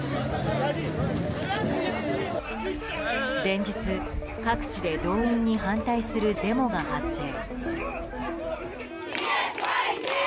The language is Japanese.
連日、各地で動員に反対するデモが発生。